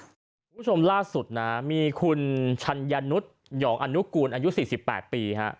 คุณผู้ชมล่าสุดนะมีคุณชัญญนุษย์หองอนุกูลอายุ๔๘ปีฮะ